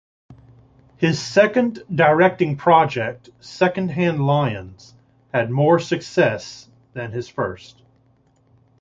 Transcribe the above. His second directing project, "Secondhand Lions" had more success than his first.